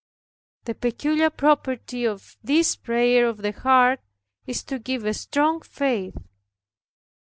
The peculiar property of this prayer of the heart is to give a strong faith.